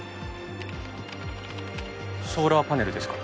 ソーラーパネルですか？